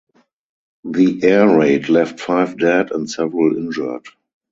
The air raid left five dead and several injured.